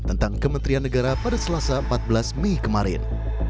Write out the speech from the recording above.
tentang kementerian negara pada selasa empat belas mei kemarin